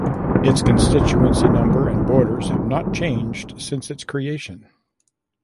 Its constituency number and borders have not changed since its creation.